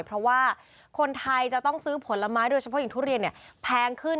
เพราะว่าคนไทยจะต้องซื้อผลไม้โดยเฉพาะอย่างทุเรียนเนี่ยแพงขึ้น